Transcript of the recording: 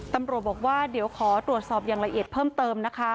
ตำรวจบอกว่าเดี๋ยวขอตรวจสอบอย่างละเอียดเพิ่มเติมนะคะ